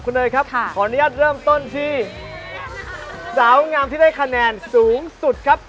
คุณเนยครับขออนุญาตเริ่มต้นที่สาวงามที่ได้คะแนนสูงสุดครับ